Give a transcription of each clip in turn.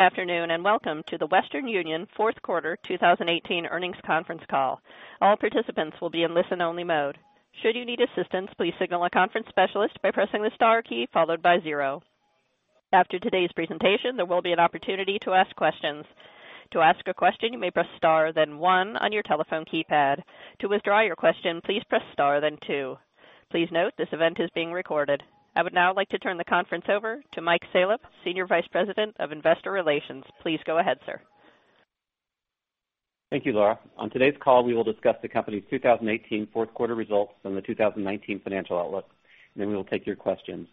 Afternoon, welcome to the Western Union fourth quarter 2018 earnings conference call. All participants will be in listen-only mode. Should you need assistance, please signal a conference specialist by pressing the star key followed by zero. After today's presentation, there will be an opportunity to ask questions. To ask a question, you may press star then one on your telephone keypad. To withdraw your question, please press star then two. Please note this event is being recorded. I would now like to turn the conference over to Mike Salop, Senior Vice President of Investor Relations. Please go ahead, sir. Thank you, Laura. On today's call, we will discuss the company's 2018 fourth quarter results and the 2019 financial outlook. Then we will take your questions.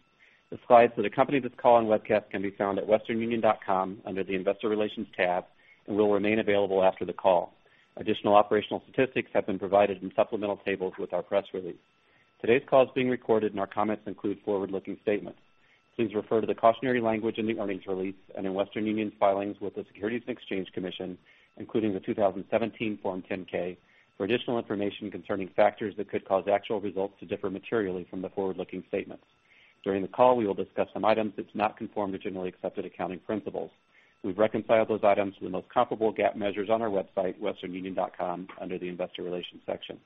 The slides for the company that's calling webcast can be found at westernunion.com under the investor relations tab and will remain available after the call. Additional operational statistics have been provided in supplemental tables with our press release. Today's call is being recorded, and our comments include forward-looking statements. Please refer to the cautionary language in the earnings release and in Western Union's filings with the Securities and Exchange Commission, including the 2017 Form 10-K, for additional information concerning factors that could cause actual results to differ materially from the forward-looking statements. During the call, we will discuss some items that do not conform to generally accepted accounting principles. We've reconciled those items with the most comparable GAAP measures on our website, westernunion.com, under the investor relations section.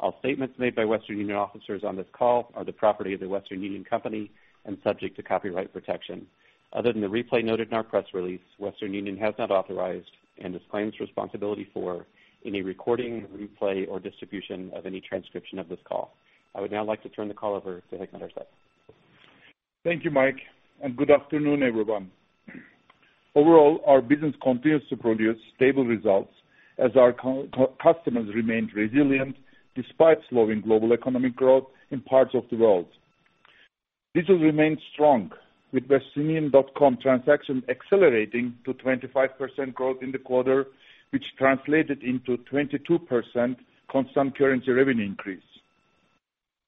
All statements made by Western Union officers on this call are the property of The Western Union Company and subject to copyright protection. Other than the replay noted in our press release, Western Union has not authorized and disclaims responsibility for any recording, replay, or distribution of any transcription of this call. I would now like to turn the call over to Hikmet Ersek. Thank you, Mike, good afternoon, everyone. Overall, our business continues to produce stable results as our customers remained resilient despite slowing global economic growth in parts of the world. Digital remained strong with westernunion.com transaction accelerating to 25% growth in the quarter, which translated into 22% constant currency revenue increase.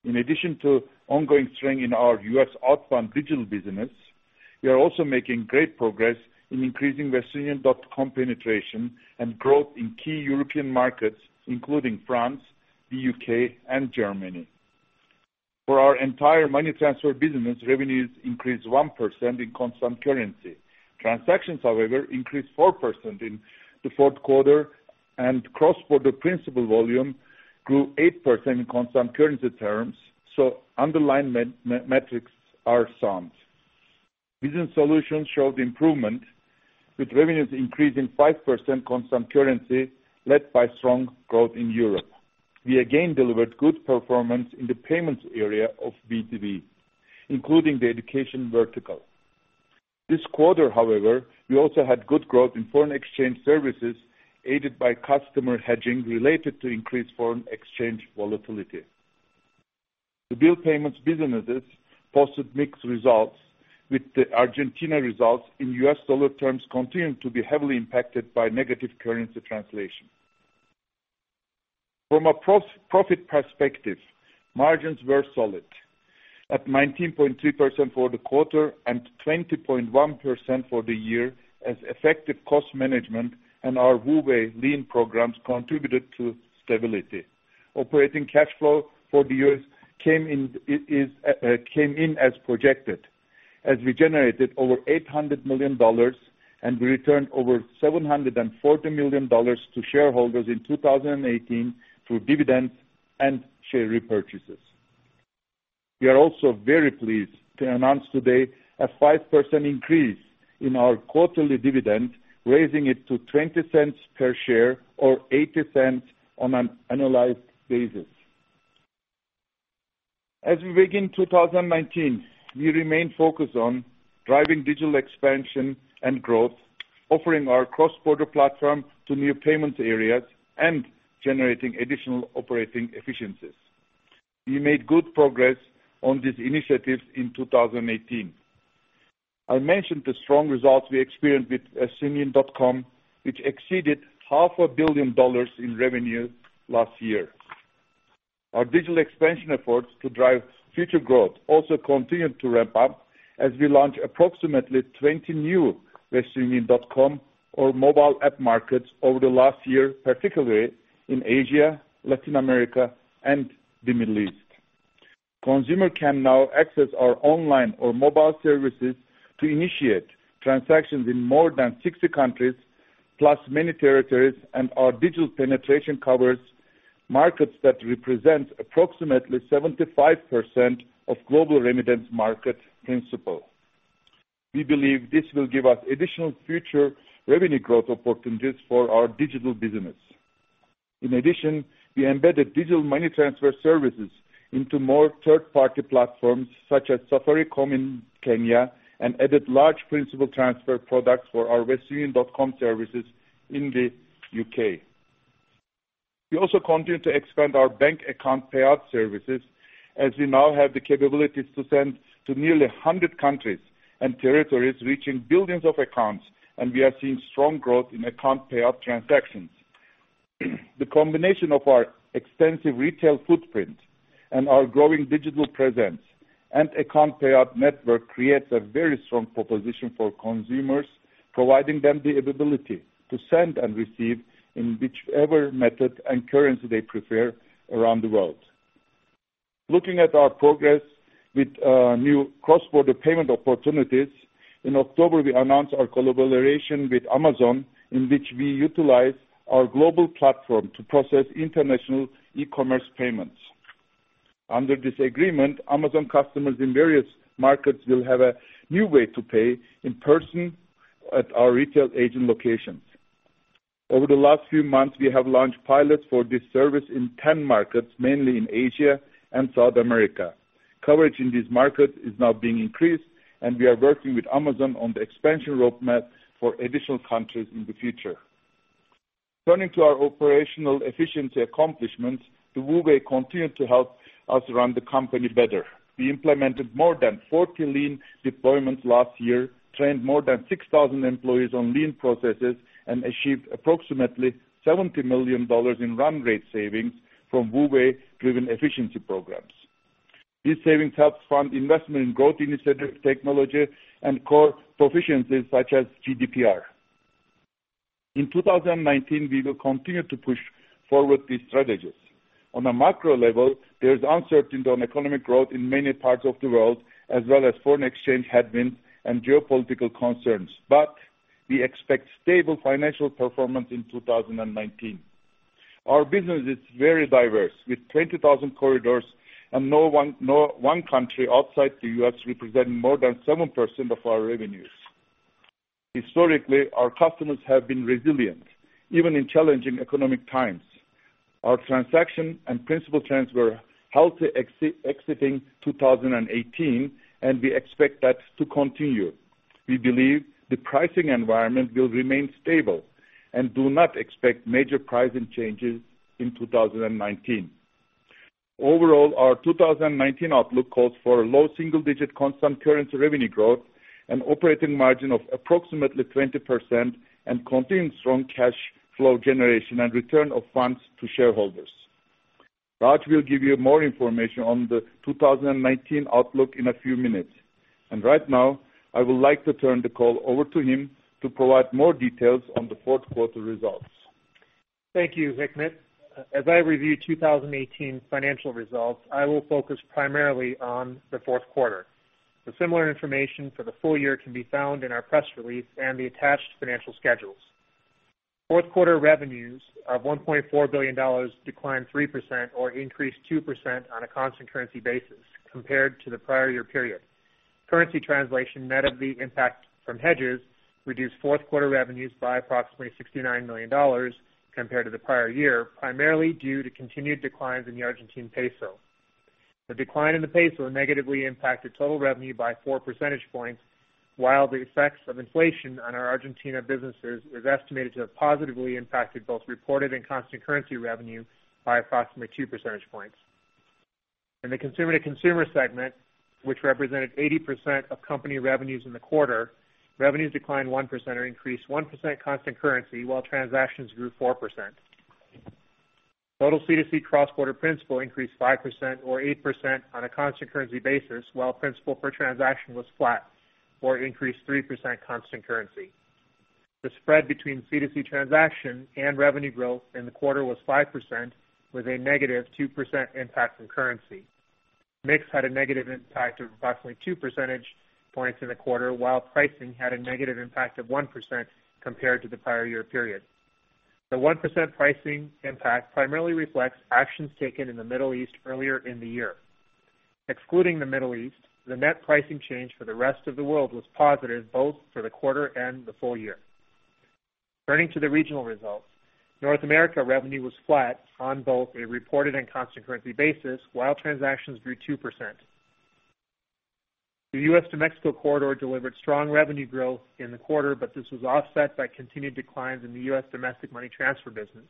In addition to ongoing strength in our U.S. outbound digital business, we are also making great progress in increasing westernunion.com penetration and growth in key European markets including France, the U.K., and Germany. For our entire money transfer business, revenues increased 1% in constant currency. Transactions, however, increased 4% in the fourth quarter and cross-border principal volume grew 8% in constant currency terms. Underlying metrics are sound. Business Solutions showed improvement with revenues increasing 5% constant currency led by strong growth in Europe. We again delivered good performance in the payments area of B2B, including the education vertical. This quarter, however, we also had good growth in foreign exchange services aided by customer hedging related to increased foreign exchange volatility. The bill payments businesses posted mixed results with the U.S. dollar terms continuing to be heavily impacted by negative currency translation. From a profit perspective, margins were solid at 19.3% for the quarter and 20.1% for the year as effective cost management and our WU Way Lean programs contributed to stability. Operating cash flow for the years came in as projected as we generated over $800 million, and we returned over $740 million to shareholders in 2018 through dividends and share repurchases. We are also very pleased to announce today a 5% increase in our quarterly dividend, raising it to $0.20 per share or $0.80 on an annualized basis. As we begin 2019, we remain focused on driving digital expansion and growth, offering our cross-border platform to new payments areas and generating additional operating efficiencies. We made good progress on these initiatives in 2018. I mentioned the strong results we experienced with westernunion.com, which exceeded half a billion dollars in revenue last year. Our digital expansion efforts to drive future growth also continued to ramp up as we launched approximately 20 new westernunion.com or mobile app markets over the last year, particularly in Asia, Latin America, and the Middle East. Consumer can now access our online or mobile services to initiate transactions in more than 60 countries, plus many territories, and our digital penetration covers markets that represent approximately 75% of global remittance market principle. We believe this will give us additional future revenue growth opportunities for our digital business. In addition, we embedded digital money transfer services into more third-party platforms such as Safaricom in Kenya and added large principal transfer products for our westernunion.com services in the U.K. We also continue to expand our bank account payout services as we now have the capabilities to send to nearly 100 countries and territories reaching billions of accounts, and we are seeing strong growth in account payout transactions. The combination of our extensive retail footprint and our growing digital presence and account payout network creates a very strong proposition for consumers, providing them the ability to send and receive in whichever method and currency they prefer around the world. Looking at our progress with new cross-border payment opportunities, in October, we announced our collaboration with Amazon, in which we utilize our global platform to process international e-commerce payments. Under this agreement, Amazon customers in various markets will have a new way to pay in person at our retail agent locations. Over the last few months, we have launched pilots for this service in 10 markets, mainly in Asia and South America. Coverage in these markets is now being increased, and we are working with Amazon on the expansion roadmap for additional countries in the future. Turning to our operational efficiency accomplishments, the WU Way continued to help us run the company better. We implemented more than 40 Lean deployments last year, trained more than 6,000 employees on Lean processes, and achieved approximately $70 million in run rate savings from WU Way-driven efficiency programs. These savings help fund investment in growth initiatives, technology, and core proficiencies such as GDPR. In 2019, we will continue to push forward these strategies. On a macro level, there is uncertainty on economic growth in many parts of the world, as well as foreign exchange headwinds and geopolitical concerns. We expect stable financial performance in 2019. Our business is very diverse, with 20,000 corridors and no one country outside the U.S. representing more than 7% of our revenues. Historically, our customers have been resilient, even in challenging economic times. Our transaction and principal trends were healthy exiting 2018, and we expect that to continue. We believe the pricing environment will remain stable and do not expect major pricing changes in 2019. Overall, our 2019 outlook calls for low single-digit constant currency revenue growth, an operating margin of approximately 20%, and continued strong cash flow generation and return of funds to shareholders. Raj will give you more information on the 2019 outlook in a few minutes. Right now, I would like to turn the call over to him to provide more details on the fourth quarter results. Thank you, Hikmet. As I review 2018 financial results, I will focus primarily on the fourth quarter. The similar information for the full year can be found in our press release and the attached financial schedules. Fourth quarter revenues of $1.4 billion declined 3% or increased 2% on a constant currency basis compared to the prior year period. Currency translation net of the impact from hedges reduced fourth quarter revenues by approximately $69 million compared to the prior year, primarily due to continued declines in the Argentine peso. The decline in the peso negatively impacted total revenue by four percentage points, while the effects of inflation on our Argentina businesses is estimated to have positively impacted both reported and constant currency revenue by approximately two percentage points. In the consumer-to-consumer segment, which represented 80% of company revenues in the quarter, revenues declined 1% or increased 1% constant currency, while transactions grew 4%. Total C2C cross-border principal increased 5% or 8% on a constant currency basis, while principal per transaction was flat or increased 3% constant currency. The spread between C2C transaction and revenue growth in the quarter was 5%, with a negative 2% impact from currency. Mix had a negative impact of approximately two percentage points in the quarter, while pricing had a negative impact of 1% compared to the prior year period. The 1% pricing impact primarily reflects actions taken in the Middle East earlier in the year. Excluding the Middle East, the net pricing change for the rest of the world was positive, both for the quarter and the full year. Turning to the regional results. North America revenue was flat on both a reported and constant currency basis, while transactions grew 2%. The U.S. to Mexico corridor delivered strong revenue growth in the quarter, but this was offset by continued declines in the U.S. domestic money transfer business.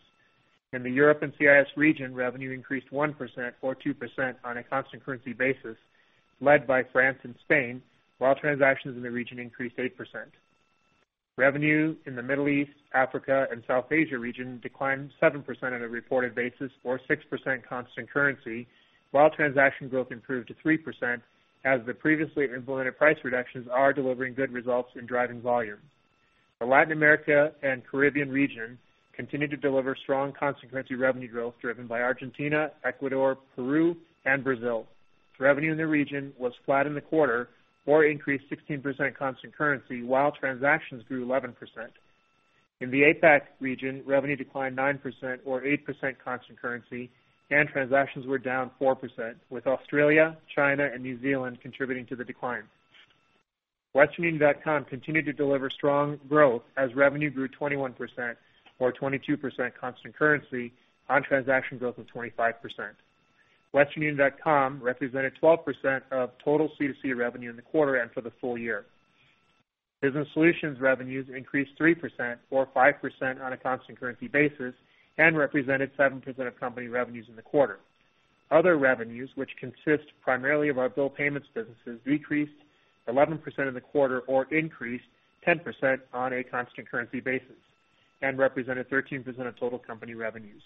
In the Europe and CIS region, revenue increased 1%, or 2% on a constant currency basis, led by France and Spain, while transactions in the region increased 8%. Revenue in the Middle East, Africa, and South Asia region declined 7% on a reported basis or 6% constant currency, while transaction growth improved to 3% as the previously implemented price reductions are delivering good results in driving volume. The Latin America and Caribbean region continued to deliver strong constant currency revenue growth driven by Argentina, Ecuador, Peru, and Brazil. Revenue in the region was flat in the quarter or increased 16% constant currency while transactions grew 11%. In the APAC region, revenue declined 9%, or 8% constant currency, and transactions were down 4%, with Australia, China, and New Zealand contributing to the decline. westernunion.com continued to deliver strong growth as revenue grew 21%, or 22% constant currency, on transaction growth of 25%. westernunion.com represented 12% of total C2C revenue in the quarter and for the full year. Business Solutions revenues increased 3%, or 5% on a constant currency basis, and represented 7% of company revenues in the quarter. Other revenues, which consist primarily of our bill payments businesses, decreased 11% in the quarter or increased 10% on a constant currency basis and represented 13% of total company revenues.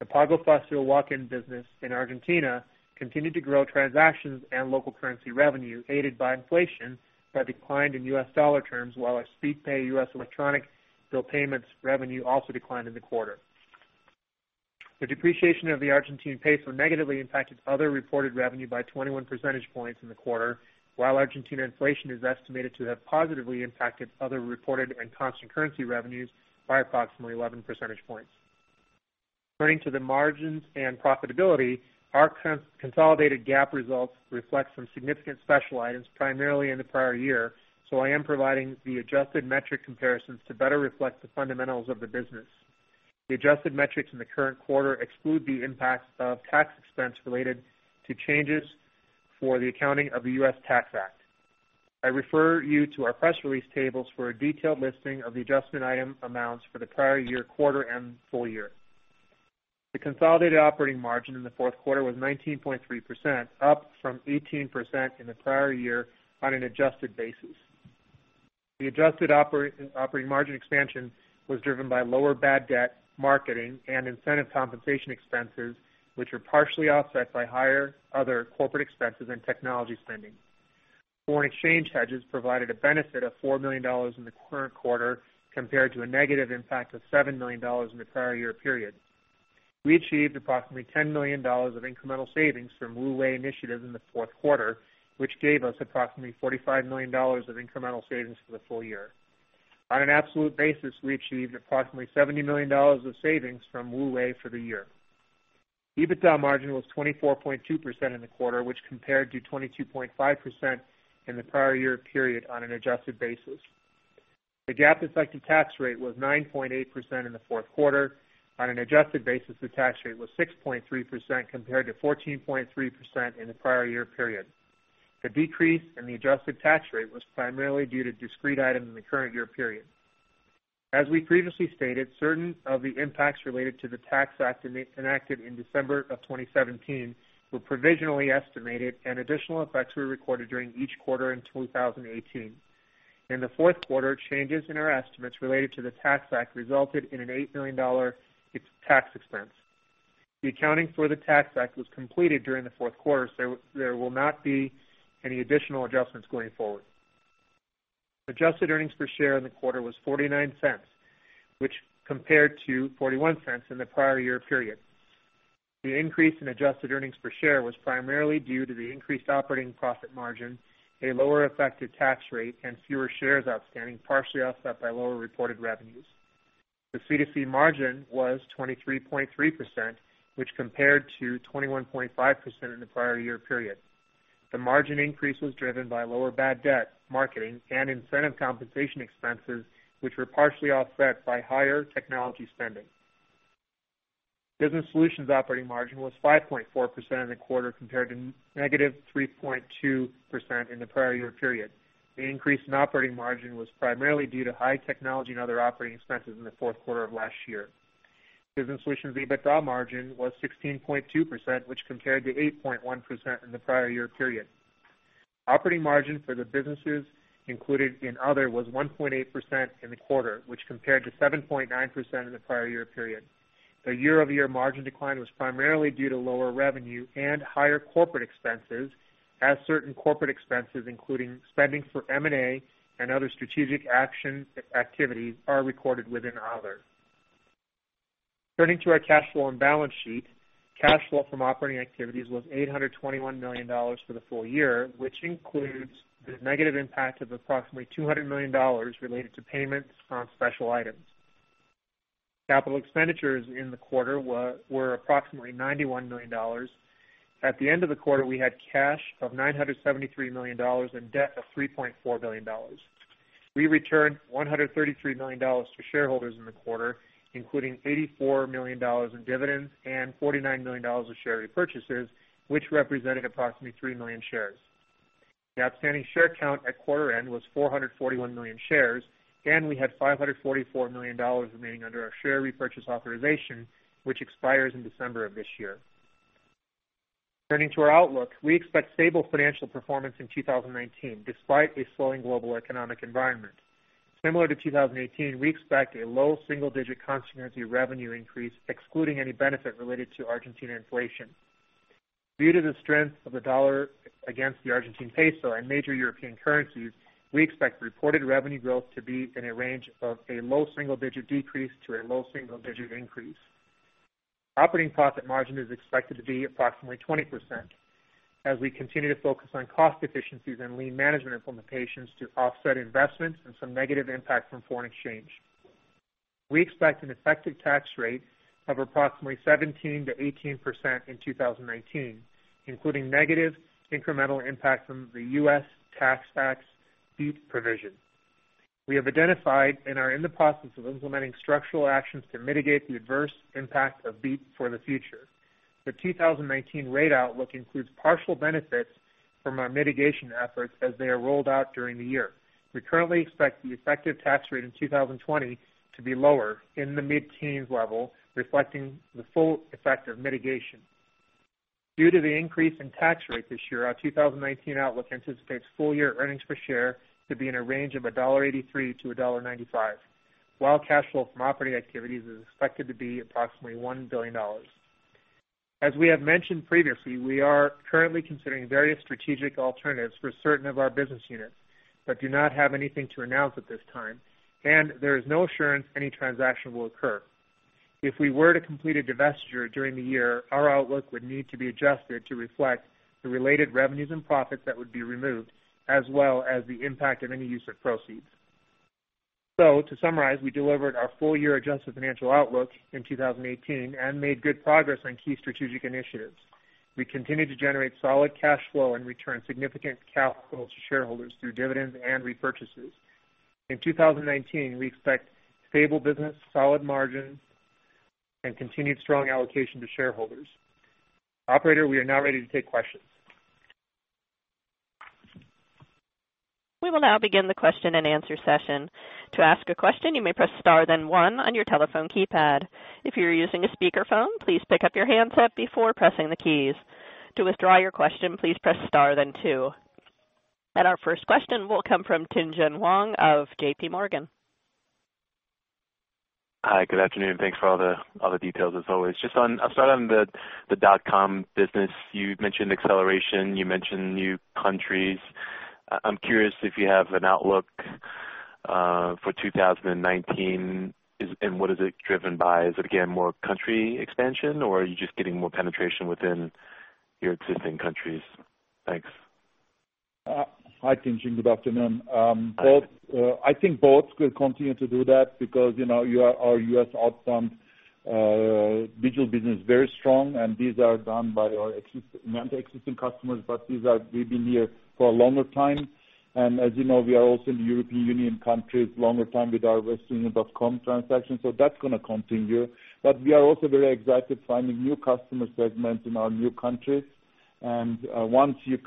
The Pago Fácil walk-in business in Argentina continued to grow transactions and local currency revenue, aided by inflation that declined in U.S. dollar terms, while our Speedpay U.S. electronic bill payments revenue also declined in the quarter. The depreciation of the Argentine peso negatively impacted other reported revenue by 21 percentage points in the quarter, while Argentina inflation is estimated to have positively impacted other reported and constant currency revenues by approximately 11 percentage points. Turning to the margins and profitability, our consolidated GAAP results reflect some significant special items, primarily in the prior year. I am providing the adjusted metric comparisons to better reflect the fundamentals of the business. The adjusted metrics in the current quarter exclude the impact of tax expense related to changes for the accounting of the U.S. Tax Act. I refer you to our press release tables for a detailed listing of the adjustment item amounts for the prior year quarter and full year. The consolidated operating margin in the fourth quarter was 19.3%, up from 18% in the prior year on an adjusted basis. The adjusted operating margin expansion was driven by lower bad debt, marketing, and incentive compensation expenses, which were partially offset by higher other corporate expenses and technology spending. Foreign exchange hedges provided a benefit of $4 million in the current quarter compared to a negative impact of $7 million in the prior year period. We achieved approximately $10 million of incremental savings from WU Way initiatives in the fourth quarter, which gave us approximately $45 million of incremental savings for the full year. On an absolute basis, we achieved approximately $70 million of savings from WU Way for the year. EBITDA margin was 24.2% in the quarter, which compared to 22.5% in the prior year period on an adjusted basis. The GAAP effective tax rate was 9.8% in the fourth quarter. On an adjusted basis, the tax rate was 6.3% compared to 14.3% in the prior year period. The decrease in the adjusted tax rate was primarily due to discrete items in the current year period. As we previously stated, certain of the impacts related to the Tax Act enacted in December of 2017 were provisionally estimated, and additional effects were recorded during each quarter in 2018. In the fourth quarter, changes in our estimates related to the Tax Act resulted in an $8 million tax expense. The accounting for the Tax Act was completed during the fourth quarter, so there will not be any additional adjustments going forward. Adjusted earnings per share in the quarter was $0.49, which compared to $0.41 in the prior year period. The increase in adjusted earnings per share was primarily due to the increased operating profit margin, a lower effective tax rate, and fewer shares outstanding, partially offset by lower reported revenues. The C2C margin was 23.3%, which compared to 21.5% in the prior year period. The margin increase was driven by lower bad debt, marketing, and incentive compensation expenses, which were partially offset by higher technology spending. Business Solutions operating margin was 5.4% in the quarter compared to negative 3.2% in the prior year period. The increase in operating margin was primarily due to high technology and other operating expenses in the fourth quarter of last year. Business Solutions EBITDA margin was 16.2%, which compared to 8.1% in the prior year period. Operating margin for the businesses included in other was 1.8% in the quarter, which compared to 7.9% in the prior year period. The year-over-year margin decline was primarily due to lower revenue and higher corporate expenses, as certain corporate expenses, including spending for M&A and other strategic action activities, are recorded within other. Turning to our cash flow and balance sheet, cash flow from operating activities was $821 million for the full year, which includes the negative impact of approximately $200 million related to payments on special items. Capital expenditures in the quarter were approximately $91 million. At the end of the quarter, we had cash of $973 million and debt of $3.4 billion. We returned $133 million to shareholders in the quarter, including $84 million in dividends and $49 million of share repurchases, which represented approximately 3 million shares. The outstanding share count at quarter end was 441 million shares, and we had $544 million remaining under our share repurchase authorization, which expires in December of this year. Turning to our outlook, we expect stable financial performance in 2019, despite a slowing global economic environment. Similar to 2018, we expect a low single-digit constant currency revenue increase, excluding any benefit related to Argentina inflation. Due to the strength of the dollar against the Argentine peso and major European currencies, we expect reported revenue growth to be in a range of a low single-digit decrease to a low single-digit increase. Operating profit margin is expected to be approximately 20% as we continue to focus on cost efficiencies and Lean management implementations to offset investments and some negative impact from foreign exchange. We expect an effective tax rate of approximately 17%-18% in 2019, including negative incremental impact from the U.S. Tax Act's BEAT provision. We have identified and are in the process of implementing structural actions to mitigate the adverse impact of BEAT for the future. The 2019 rate outlook includes partial benefits from our mitigation efforts as they are rolled out during the year. We currently expect the effective tax rate in 2020 to be lower, in the mid-teens level, reflecting the full effect of mitigation. Due to the increase in tax rate this year, our 2019 outlook anticipates full-year earnings per share to be in a range of $1.83-$1.95, while cash flow from operating activities is expected to be approximately $1 billion. As we have mentioned previously, we are currently considering various strategic alternatives for certain of our business units, but do not have anything to announce at this time, and there is no assurance any transaction will occur. If we were to complete a divestiture during the year, our outlook would need to be adjusted to reflect the related revenues and profits that would be removed, as well as the impact of any use of proceeds. To summarize, we delivered our full-year adjusted financial outlook in 2018 and made good progress on key strategic initiatives. We continue to generate solid cash flow and return significant capital to shareholders through dividends and repurchases. In 2019, we expect stable business, solid margins, and continued strong allocation to shareholders. Operator, we are now ready to take questions. We will now begin the question and answer session. To ask a question, you may press star then one on your telephone keypad. If you're using a speakerphone, please pick up your handset before pressing the keys. To withdraw your question, please press star then two. Our first question will come from Tien-Tsin Huang of JPMorgan. Hi, good afternoon. Thanks for all the details, as always. Just I'll start on the dotcom business. You mentioned acceleration, you mentioned new countries. I'm curious if you have an outlook for 2019, and what is it driven by? Is it again, more country expansion, or are you just getting more penetration within your existing countries? Thanks. Hi, Tien-Tsin. Good afternoon. I think both. We'll continue to do that because our U.S. outbound digital business is very strong, and these are done by our existing customers, but we've been here for a longer time. As you know, we are also in the European Union countries longer time with our westernunion.com transactions, so that's going to continue. We are also very excited finding new customer segments in our new countries. Once you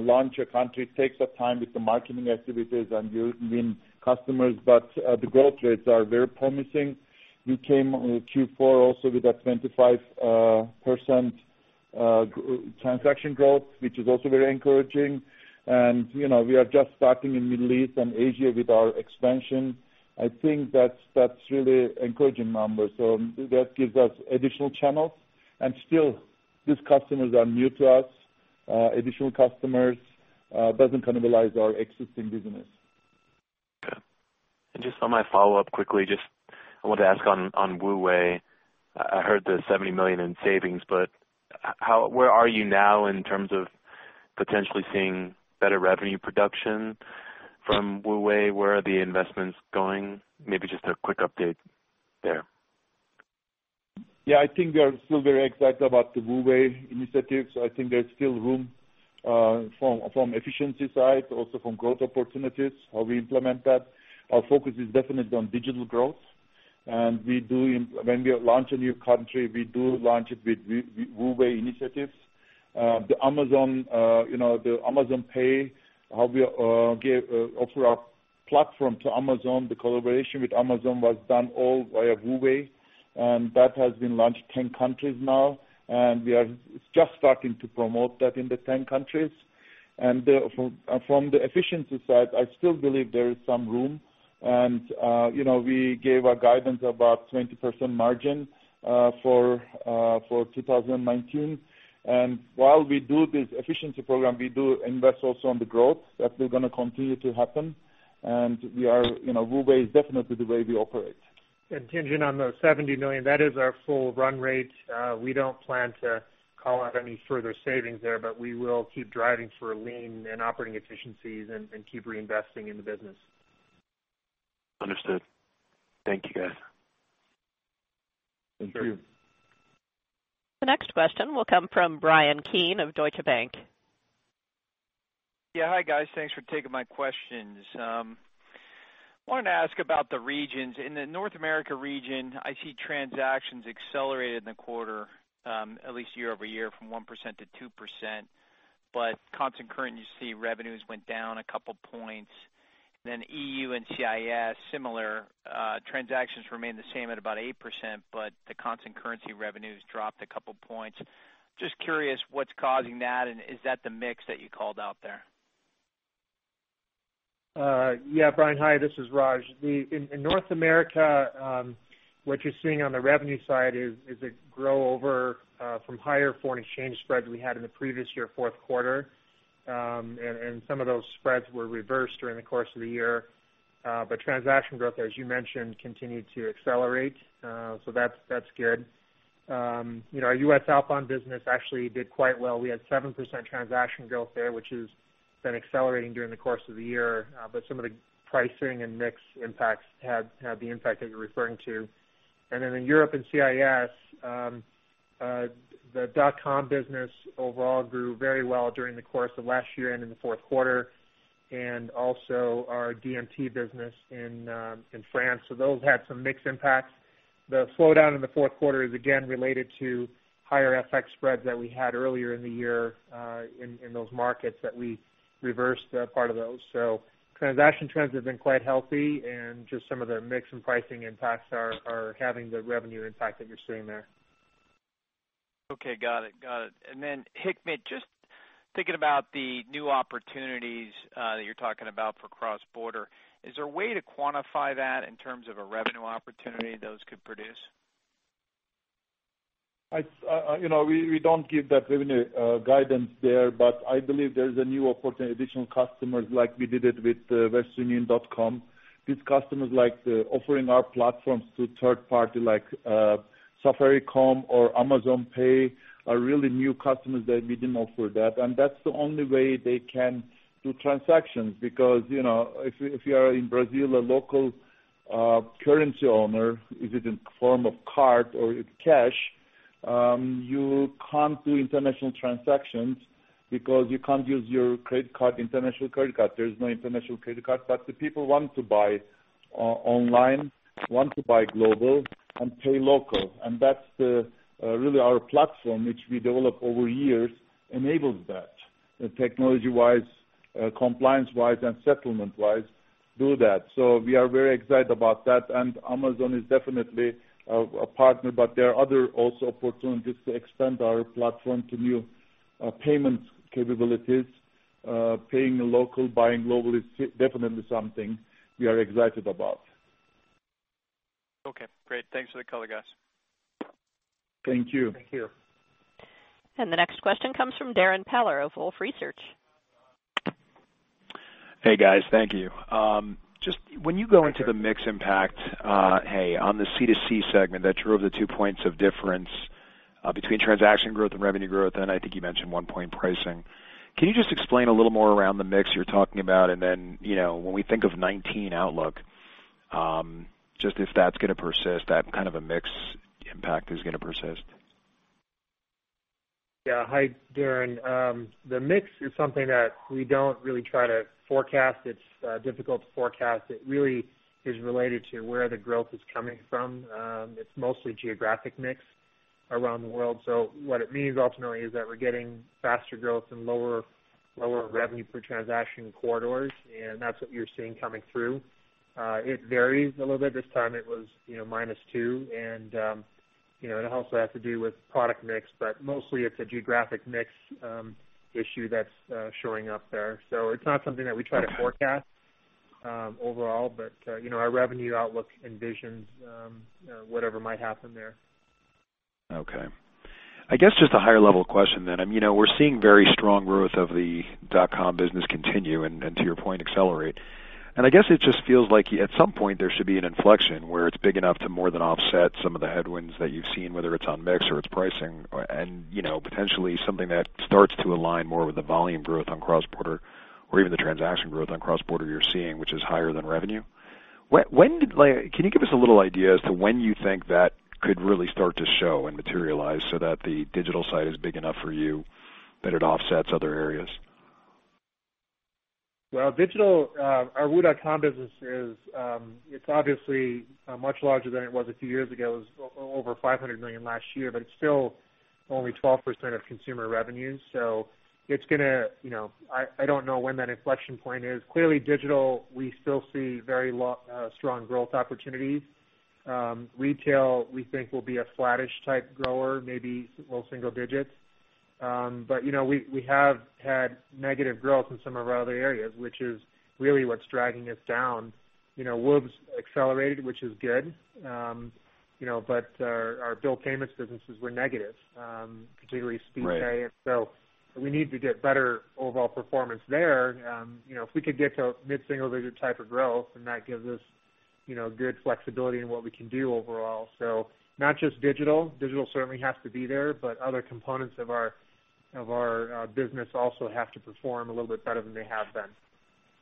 launch a country, it takes up time with the marketing activities and win customers, but the growth rates are very promising. We came Q4 also with a 25% transaction growth, which is also very encouraging. We are just starting in Middle East and Asia with our expansion. I think that's really encouraging numbers. That gives us additional channels. Still, these customers are new to us, additional customers. Doesn't cannibalize our existing business. Yeah. Just on my follow-up quickly, just I want to ask on WU Way. I heard the $70 million in savings, but where are you now in terms of potentially seeing better revenue production from WU Way? Where are the investments going? Maybe just a quick update there. Yeah, I think we are still very excited about the WU Way initiatives. I think there's still room from efficiency side, also from growth opportunities, how we implement that. Our focus is definitely on digital growth. When we launch a new country, we do launch it with WU Way initiatives. The Amazon Pay, how we offer our platform to Amazon, the collaboration with Amazon was done all via WU Way, and that has been launched 10 countries now, and we are just starting to promote that in the 10 countries. From the efficiency side, I still believe there is some room. We gave our guidance about 20% margin for 2019. While we do this efficiency program, we do invest also on the growth. That is going to continue to happen. WU Way is definitely the way we operate. Tien-Tsin on the $70 million, that is our full run rate. We don't plan to call out any further savings there, but we will keep driving for Lean and operating efficiencies and keep reinvesting in the business. Understood. Thank you, guys. Thank you. The next question will come from Bryan Keane of Deutsche Bank. Yeah. Hi, guys. Thanks for taking my questions. Wanted to ask about the regions. In the North America region, I see transactions accelerated in the quarter at least year-over-year from 1%-2%, but constant currency revenues went down a couple points. EU and CIS, similar transactions remained the same at about 8%, but the constant currency revenues dropped a couple points. Just curious what's causing that, and is that the mix that you called out there? Yeah, Bryan. Hi, this is Raj. In North America, what you're seeing on the revenue side is a grow over from higher foreign exchange spreads we had in the previous year fourth quarter. Some of those spreads were reversed during the course of the year. Transaction growth, as you mentioned, continued to accelerate. That's good. Our U.S. outbound business actually did quite well. We had 7% transaction growth there, which has been accelerating during the course of the year. Some of the pricing and mix impacts had the impact that you're referring to. In Europe and CIS, the dotcom business overall grew very well during the course of last year and in the fourth quarter. Also our DMT business in France. Those had some mix impacts. The slowdown in the fourth quarter is again related to higher FX spreads that we had earlier in the year in those markets that we reversed part of those. Transaction trends have been quite healthy, just some of the mix and pricing impacts are having the revenue impact that you're seeing there. Okay, got it. Hikmet, just thinking about the new opportunities that you're talking about for cross-border, is there a way to quantify that in terms of a revenue opportunity those could produce? We don't give that revenue guidance there. I believe there's a new opportunity, additional customers like we did it with westernunion.com. These customers like offering our platforms to third party like Safaricom or Amazon Pay are really new customers that we didn't offer that. That's the only way they can do transactions because, if you are in Brazil, a local currency owner, if it's in form of card or cash, you can't do international transactions because you can't use your international credit card. There is no international credit card. The people want to buy online, want to buy global and pay local. That's really our platform, which we developed over years, enables that, technology-wise, compliance-wise, and settlement-wise do that. We are very excited about that, and Amazon is definitely a partner, but there are other also opportunities to extend our platform to new payment capabilities. Paying local, buying global is definitely something we are excited about. Okay, great. Thanks for the color, guys. Thank you. Thank you. The next question comes from Darrin Peller of Wolfe Research. Hey, guys. Thank you. Just when you go into the mix impact, on the C2C segment that drove the two points of difference between transaction growth and revenue growth, I think you mentioned one point pricing, can you just explain a little more around the mix you're talking about? When we think of 2019 outlook, just if that's going to persist, that kind of a mix impact is going to persist. Hi, Darrin. The mix is something that we don't really try to forecast. It's difficult to forecast. It really is related to where the growth is coming from. It's mostly geographic mix around the world. What it means ultimately is that we're getting faster growth and lower revenue per transaction corridors, and that's what you're seeing coming through. It varies a little bit. This time it was -2, and it also has to do with product mix, but mostly it's a geographic mix issue that's showing up there. It's not something that we try to forecast overall, but our revenue outlook envisions whatever might happen there. I guess just a higher level question. We're seeing very strong growth of the .com business continue and, to your point, accelerate. I guess it just feels like at some point there should be an inflection where it's big enough to more than offset some of the headwinds that you've seen, whether it's on mix or it's pricing, and potentially something that starts to align more with the volume growth on cross-border or even the transaction growth on cross-border you're seeing, which is higher than revenue. Can you give us a little idea as to when you think that could really start to show and materialize so that the digital side is big enough for you that it offsets other areas? Digital, our westernunion.com business is obviously much larger than it was a few years ago. It was over $500 million last year, but it's still only 12% of consumer revenue. I don't know when that inflection point is. Clearly digital, we still see very strong growth opportunities. Retail, we think will be a flattish type grower, maybe low single digits. We have had negative growth in some of our other areas, which is really what's dragging us down. WU's accelerated, which is good. Our bill payments businesses were negative, particularly Speedpay. Right. We need to get better overall performance there. If we could get to mid-single digit type of growth, that gives us good flexibility in what we can do overall. Not just digital. Digital certainly has to be there, but other components of our business also have to perform a little bit better than they have been.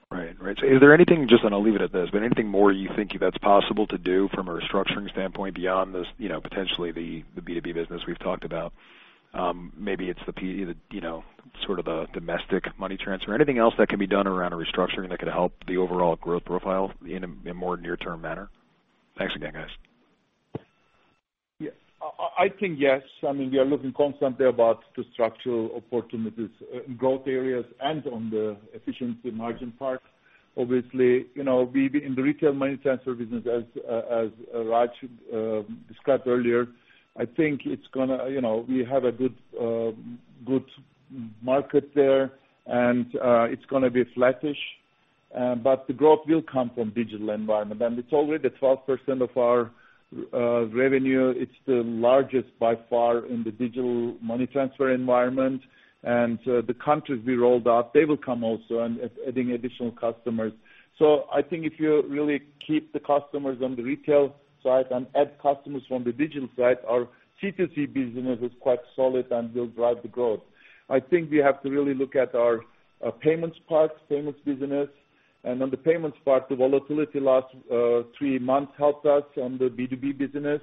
Right. Is there anything, just going to leave it at this, but anything more you think that's possible to do from a restructuring standpoint beyond this potentially the B2B business we've talked about? Maybe it's the sort of a domestic money transfer. Anything else that can be done around a restructuring that could help the overall growth profile in a more near-term manner? Thanks again, guys. I think yes. We are looking constantly about structural opportunities in growth areas and on the efficiency margin part. Obviously, in the retail money transfer business, as Raj described earlier, I think we have a good market there, and it's going to be flattish. The growth will come from digital environment, and it's already the 12% of our revenue. It's the largest by far in the digital money transfer environment. The countries we rolled out, they will come also and adding additional customers. I think if you really keep the customers on the retail side and add customers from the digital side, our C2C business is quite solid and will drive the growth. I think we have to really look at our payments part, payments business. On the payments part, the volatility last three months helped us on the B2B business.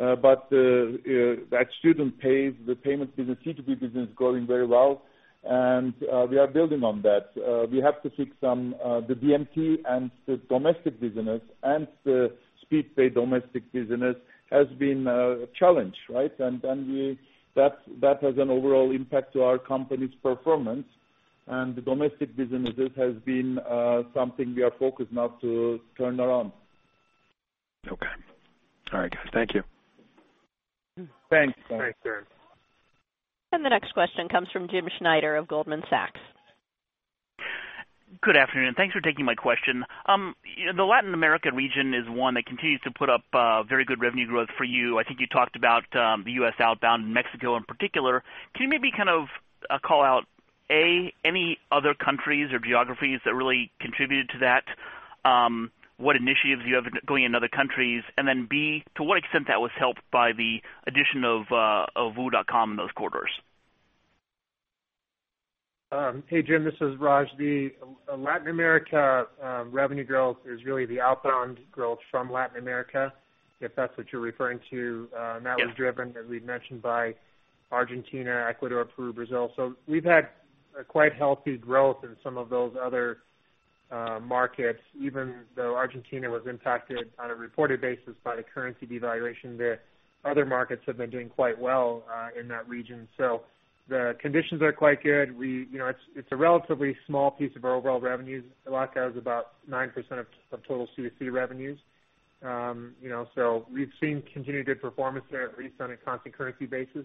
Speedpay's the payments business, C2B business is going very well, and we are building on that. We have to fix the DMT and the domestic business, and the Speedpay domestic business has been a challenge, right? That has an overall impact to our company's performance, and the domestic businesses has been something we are focused now to turn around. All right, guys. Thank you. Thanks. Thanks, sir. The next question comes from James Schneider of Goldman Sachs. Good afternoon. Thanks for taking my question. The Latin American region is one that continues to put up very good revenue growth for you. I think you talked about the U.S. outbound and Mexico in particular. Can you maybe call out, A, any other countries or geographies that really contributed to that? What initiatives you have going in other countries? Then, B, to what extent that was helped by the addition of westernunion.com in those quarters? Hey, Jim, this is Raj. Latin America revenue growth is really the outbound growth from Latin America, if that's what you're referring to. Yeah. That was driven, as we've mentioned, by Argentina, Ecuador, Peru, Brazil. We've had a quite healthy growth in some of those other markets, even though Argentina was impacted on a reported basis by the currency devaluation there. Other markets have been doing quite well in that region. The conditions are quite good. It's a relatively small piece of our overall revenues. LatAm's about 9% of total C2C revenues. We've seen continued good performance there, at least on a constant currency basis.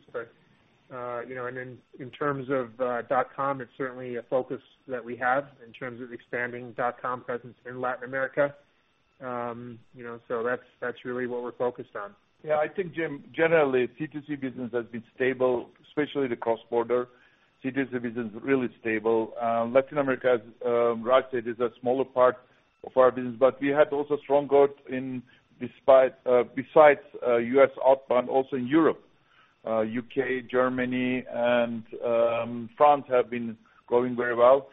In terms of .com, it's certainly a focus that we have in terms of expanding .com presence in Latin America. That's really what we're focused on. Yeah, I think, Jim, generally, C2C business has been stable, especially the cross-border. C2C business is really stable. Latin America, as Raj said, is a smaller part of our business, but we had also strong growth besides U.S. outbound, also in Europe. U.K., Germany, and France have been growing very well.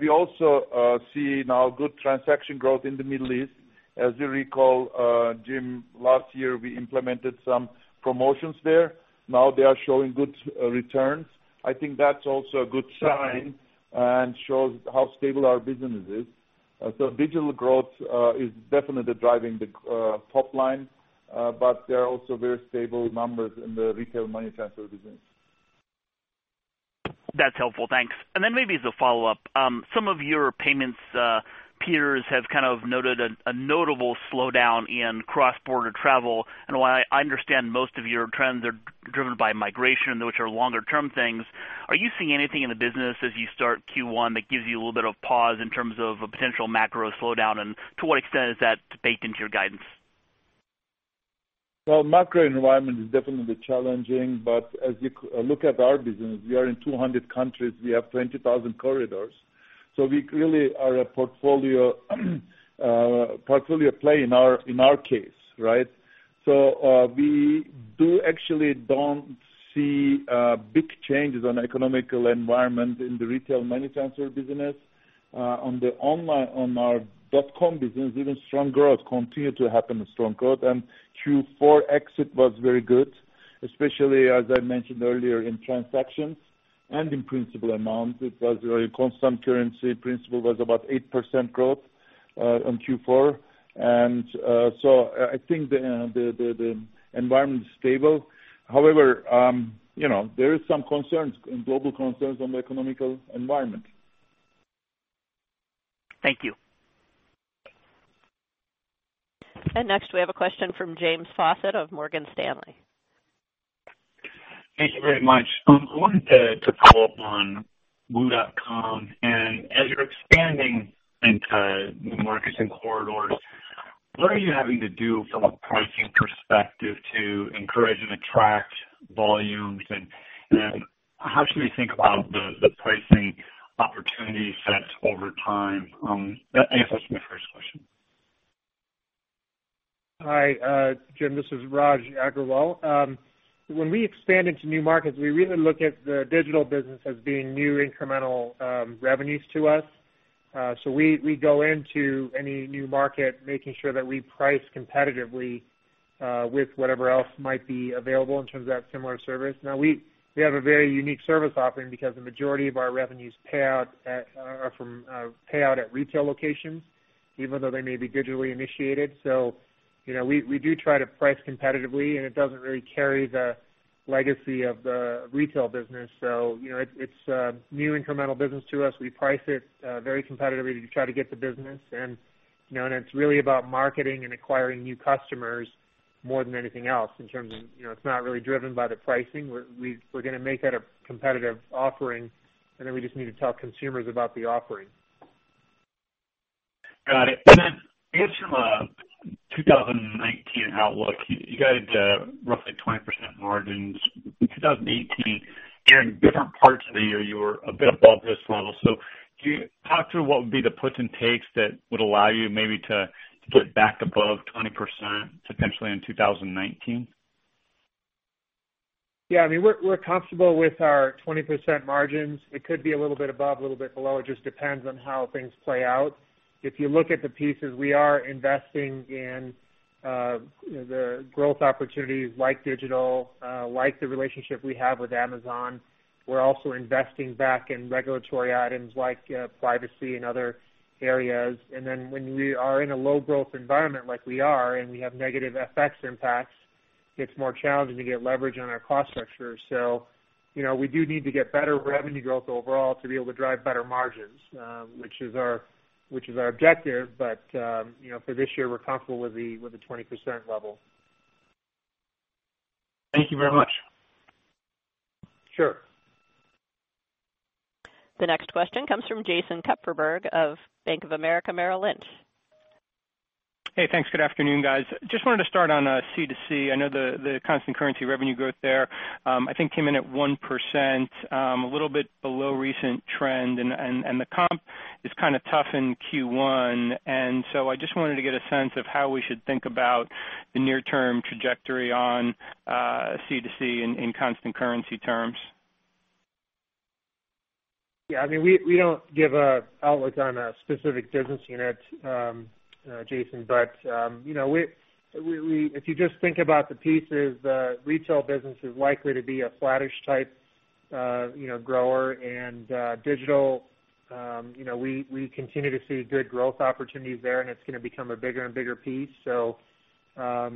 We also see now good transaction growth in the Middle East. As you recall, Jim, last year, we implemented some promotions there. Now they are showing good returns. I think that's also a good sign and shows how stable our business is. Digital growth is definitely driving the top line, but there are also very stable numbers in the retail money transfer business. That's helpful. Thanks. Then maybe as a follow-up, some of your payments peers have noted a notable slowdown in cross-border travel. While I understand most of your trends are driven by migration, which are longer-term things, are you seeing anything in the business as you start Q1 that gives you a little bit of pause in terms of a potential macro slowdown? To what extent is that baked into your guidance? Well, macro environment is definitely challenging, as you look at our business, we are in 200 countries. We have 20,000 corridors. We really are a portfolio play in our case, right? We actually don't see big changes on economical environment in the retail money transfer business. On our .com business, even strong growth continue to happen, strong growth. Q4 exit was very good, especially as I mentioned earlier in transactions and in principal amount. It was very constant currency. Principal was about 8% growth on Q4. I think the environment is stable. However, there is some concerns, global concerns on the economical environment. Thank you. Next we have a question from James Faucette of Morgan Stanley. Thank you very much. I wanted to follow up on westernunion.com, as you're expanding into new markets and corridors, what are you having to do from a pricing perspective to encourage and attract volumes? How should we think about the pricing opportunity sets over time? I guess that's my first question. Hi, Jim, this is Raj Agrawal. When we expand into new markets, we really look at the digital business as being new incremental revenues to us. We go into any new market making sure that we price competitively with whatever else might be available in terms of that similar service. We have a very unique service offering because the majority of our revenues pay out at retail locations, even though they may be digitally initiated. We do try to price competitively, it doesn't really carry the legacy of the retail business. It's new incremental business to us. We price it very competitively to try to get the business. It's really about marketing and acquiring new customers more than anything else in terms of it's not really driven by the pricing. We're going to make that a competitive offering, then we just need to tell consumers about the offering. Got it. I guess from a 2019 outlook, you guided roughly 20% margins. In 2018, in different parts of the year, you were a bit above this level. Can you talk through what would be the puts and takes that would allow you maybe to get back above 20% potentially in 2019? I mean, we're comfortable with our 20% margins. It could be a little bit above, a little bit below. It just depends on how things play out. If you look at the pieces, we are investing in the growth opportunities like digital, like the relationship we have with Amazon. We're also investing back in regulatory items like privacy and other areas. When we are in a low-growth environment like we are, and we have negative FX impacts, it's more challenging to get leverage on our cost structure. We do need to get better revenue growth overall to be able to drive better margins, which is our objective. For this year, we're comfortable with the 20% level. Thank you very much. Sure. The next question comes from Jason Kupferberg of Bank of America Merrill Lynch. Hey, thanks. Good afternoon, guys. Just wanted to start on C2C. I know the constant currency revenue growth there I think came in at 1%, a little bit below recent trend, and the comp is kind of tough in Q1. I just wanted to get a sense of how we should think about the near-term trajectory on C2C in constant currency terms. Yeah, I mean, we don't give an outlook on a specific business unit, Jason. If you just think about the pieces, the retail business is likely to be a flattish type grower and digital, we continue to see good growth opportunities there, and it's going to become a bigger and bigger piece. I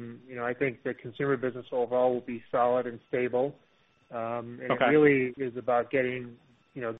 think the consumer business overall will be solid and stable. Okay. It really is about getting.